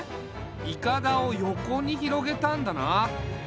いかだを横に広げたんだな。